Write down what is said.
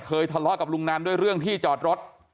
ทะเลาะกับลุงนันด้วยเรื่องที่จอดรถ